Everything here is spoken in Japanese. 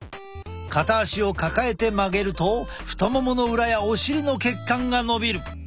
片足を抱えて曲げると太ももの裏やお尻の血管がのびる。